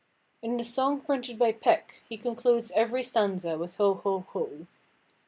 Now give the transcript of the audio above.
In the song printed by Peck, he concludes every stanza with Ho, ho, ho!